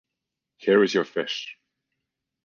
Here is your fish.